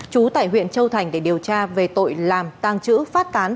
trú tại huyện châu thành để điều tra về tội làm tàng trữ phát tán